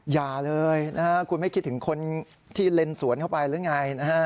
อย่าเลยคุณไม่คิดถึงคนที่เลนส์สวนเข้าไปหรือไง